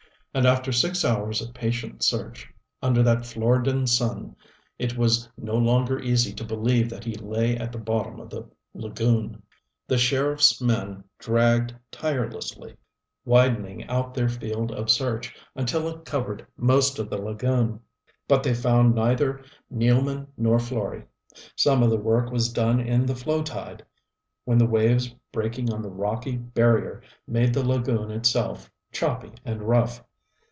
And after six hours of patient search, under that Floridan sun, it was no longer easy to believe that he lay at the bottom of the lagoon. The sheriff's men dragged tirelessly, widening out their field of search until it covered most of the lagoon, but they found neither Nealman nor Florey. Some of the work was done in the flow tide, when the waves breaking on the rocky barrier made the lagoon itself choppy and rough.